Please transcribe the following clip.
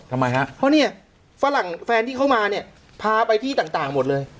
ทำไมฮะเพราะเนี่ยฝรั่งแฟนที่เขามาเนี่ยพาไปที่ต่างหมดเลย